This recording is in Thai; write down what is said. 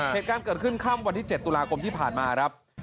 เหตุการณ์เกิดขึ้นค่ำวันที่๗ตุลาคมที่ผ่านมาครับ